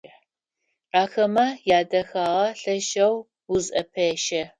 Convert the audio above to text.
Ахэмэ ядэхагъэ лъэшэу узыӏэпещэ.